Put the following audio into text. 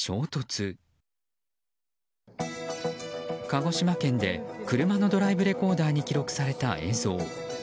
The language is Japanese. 鹿児島県で車のドライブレコーダーに記録された映像。